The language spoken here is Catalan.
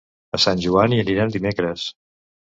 A Sant Joan hi anem dimecres.